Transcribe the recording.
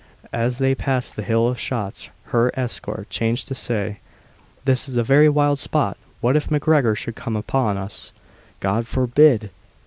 As they passed the Hill of Shotts, her escort chanced to say, "this is a very wild spot; what if the MacGregors should come upon us?" "God forbid!"